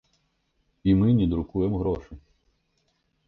І мы не друкуем грошы.